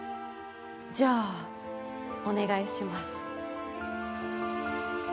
じゃあお願いします。